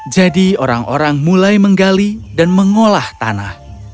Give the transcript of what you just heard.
jadi orang orang mulai menggali dan mengolah tanah